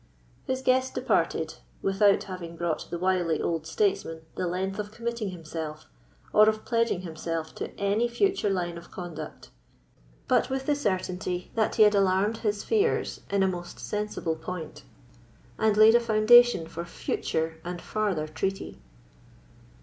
His guest departed, without having brought the wily old statesman the length of committing himself, or of pledging himself to any future line of conduct, but with the certainty that he had alarmed his fears in a most sensible point, and laid a foundation for future and farther treaty.